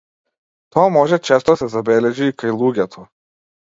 Тоа може често да се забележи и кај луѓето.